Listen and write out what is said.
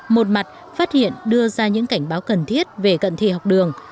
một mặt phát hiện đưa ra những cảnh báo cần thiết về cận thị học đường